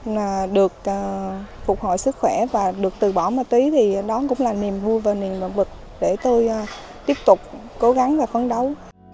bị phục hồi sức khỏe và được từ bỏ một tí thì đó cũng là niềm vui và niềm bực để tôi tiếp tục cố gắng và phấn đấu